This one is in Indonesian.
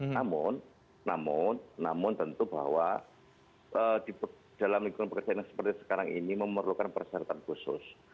namun namun namun tentu bahwa di dalam lingkungan pekerjaan yang seperti sekarang ini memerlukan persyaratan khusus